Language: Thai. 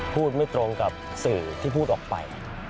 พูดไม่ตรงกับสื่อที่พูดออกไป